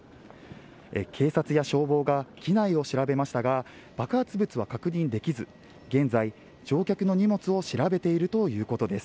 警察や消防が機内を調べましたが爆発物は確認できず現在、乗客の荷物を調べているということです。